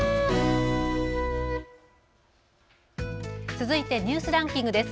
続いてニュースランキングです。